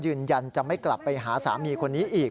ยืนยันจะไม่กลับไปหาสามีคนนี้อีก